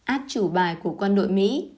át chủ bài của quân đội mỹ